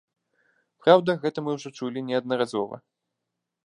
Праўда, гэта мы ўжо чулі неаднаразова.